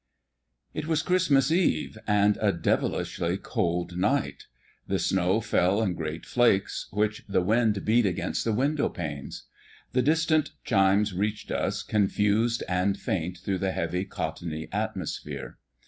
It was Christmas Eve, and a devilishly cold night. The snow fell in great flakes, which the wind beat against the window panes. The distant chimes reached us, confused and faint through the heavy, cottony atmosphere.